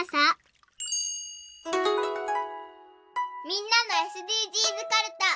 みんなのＳＤＧｓかるた。